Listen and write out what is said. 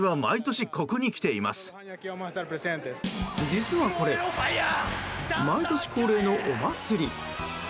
実はこれ、毎年恒例のお祭り。